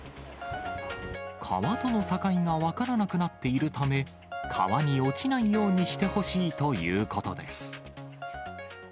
川との境が分からなくなっているため、川に落ちないようにしてほしいということです。